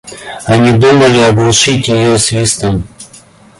Они думали оглушить её свистом.